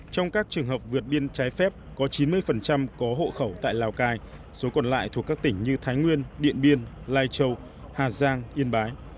trong các trường hợp vượt biên trái phép có chín mươi có hộ khẩu tại lào cai số còn lại thuộc các tỉnh như thái nguyên điện biên lai châu hà giang yên bái